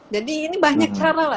jadi ini banyak cara lah